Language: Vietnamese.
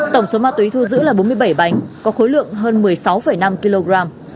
tổng số ma túy thu giữ là bốn mươi bảy bánh có khối lượng hơn một mươi sáu năm kg